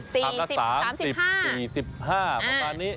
ภาษาสามสิบห้าประมาณนี้